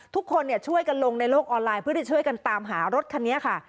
ทุกคนช่วยกันลงในโลกออนไลน์เพื่อจะช่วยกันตามหารถคันนี้ค่ะ